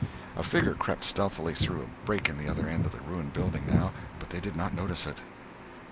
A figure crept stealthily through a break in the other end of the ruined building, now, but they did not notice it.